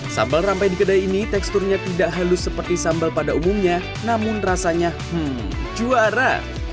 sambal rampe di kedai ini teksturnya tidak halus seperti sambal pada umumnya namun rasanya juara